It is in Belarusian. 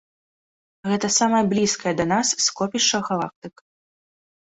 Гэта самае блізкае да нас скопішча галактык.